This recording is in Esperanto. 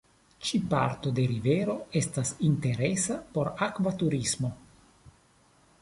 Ĉi parto de rivero estas interesa por akva turismo.